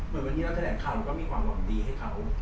เหมือนวันนี้เราแถลงข่าวก็มีความหวังดีให้เขา